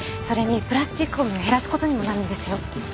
それにプラスチックごみを減らすことにもなるんですよ。